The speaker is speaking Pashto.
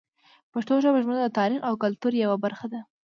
پښتو ژبه زموږ د تاریخ او کلتور یوه برخه ده.